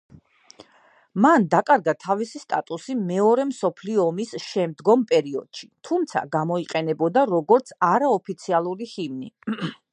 მან დაკარგა თავისი სტატუსი მეორე მსოფლიო ომის შემდგომ პერიოდში, თუმცა გამოიყენებოდა როგორც არაოფიციალური ჰიმნი.